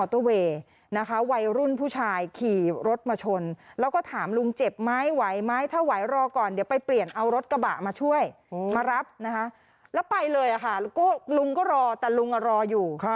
ถ้าไหวรอก่อนเดี๋ยวไปเปลี่ยนเอารถกระบะมาช่วยมารับนะคะแล้วไปเลยค่ะลุงก็รอแต่ลุงรออยู่